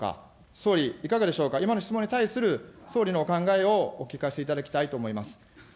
総理、いかがでしょうか、今の質問に対する総理のお考えをお聞かせいただきたいと思います。